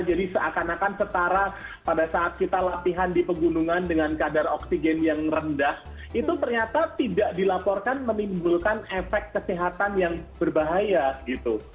jadi seakan akan setara pada saat kita latihan di pegunungan dengan kadar oksigen yang rendah itu ternyata tidak dilaporkan menimbulkan efek kesehatan yang berbahaya gitu